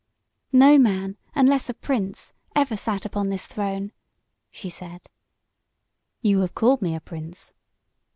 "No man, unless a prince, ever sat upon this throne," she said. "You have called me a prince."